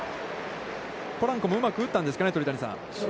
ポランコもうまく打ったんですかね。